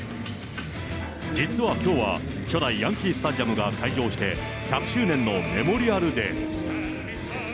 実はきょうは初代ヤンキー・スタジアムが開場して１００周年のメモリアルデー。